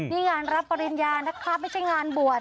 นี่งานรับปริญญานะคะไม่ใช่งานบวช